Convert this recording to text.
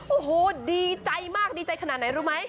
โอ้โหดีใจมากดีใจขนาดไหนรู้ไหม